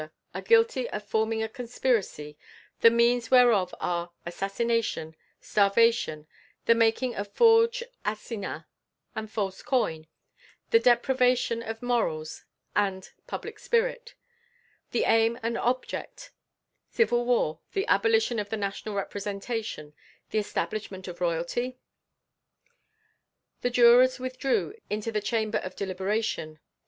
are guilty of forming a conspiracy, the means whereof are assassination, starvation, the making of forged assignats and false coin, the depravation of morals and public spirit; the aim and object, civil war, the abolition of the National representation, the re establishment of Royalty?" The jurors withdrew into the chamber of deliberation.